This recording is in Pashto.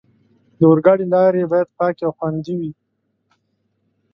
د اورګاډي لارې باید پاکې او خوندي وي.